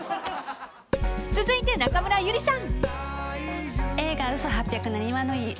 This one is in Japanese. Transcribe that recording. ［続いて中村ゆりさん］